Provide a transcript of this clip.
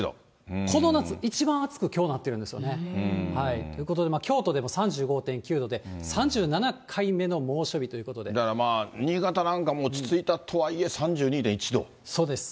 この夏一番暑く、きょうなってるんですよね。ということで、京都でも３５．９度で、だから新潟なんかも落ち着いたとはいえ、そうです。